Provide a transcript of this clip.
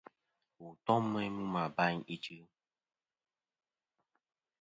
Wù tom meyn mu mɨ abayn ichɨ.